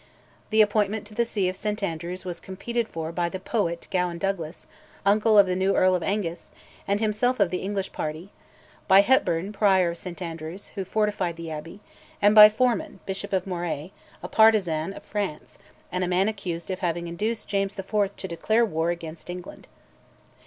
The appointment to the see of St Andrews was competed for by the Poet Gawain Douglas, uncle of the new Earl of Angus; and himself of the English party; by Hepburn, Prior of St Andrews, who fortified the Abbey; and by Forman, Bishop of Moray, a partisan of France, and a man accused of having induced James IV. to declare war against England.